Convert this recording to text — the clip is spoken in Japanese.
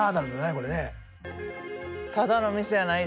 これね。